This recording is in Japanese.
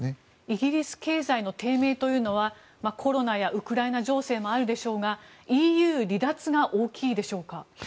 イギリス経済の低迷というのはコロナやウクライナ情勢もあるでしょうがＥＵ離脱が大きいでしょうか。